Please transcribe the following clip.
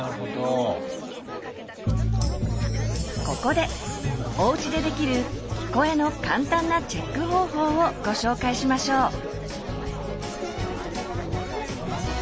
ここでおうちでできる「聞こえ」の簡単なチェック方法をご紹介しましょう。